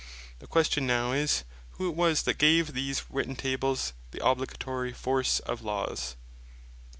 The question now is, Who it was that gave to these written Tables the obligatory force of Lawes.